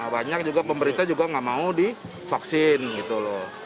banyak juga pemerintah juga nggak mau divaksin gitu loh